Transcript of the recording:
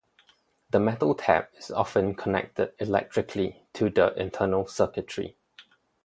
The metal tab is often connected electrically to the internal circuitry.